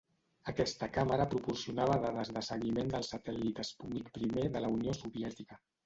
Aquesta càmera proporcionava dades de seguiment del satèl·lit Sputnik I de la Unió Soviètica.